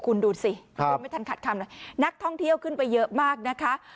คุณดูสิยังไม่ทันขัดคำเลยนักท่องเที่ยวขึ้นไปเยอะมากนะคะ